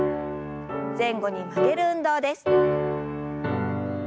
前後に曲げる運動です。